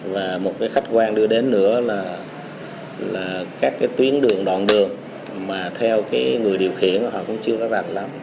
và một khách quan đưa đến nữa là các tuyến đường đoạn đường mà theo người điều khiển họ cũng chưa có rạch lắm